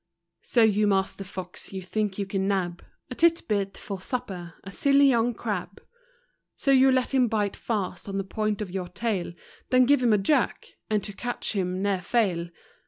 So you master Fox, you think you can nab A titbit for supper, a silly young crab. So you let him bite fast on the point of your tail, Then give him a jerk, and to catch him ne'er fail.